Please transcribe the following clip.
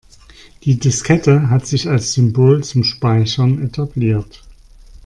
Die Diskette hat sich als Symbol zum Speichern etabliert.